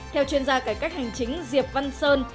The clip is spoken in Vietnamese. theo chuyên gia cải cách hành chính diệp văn sơn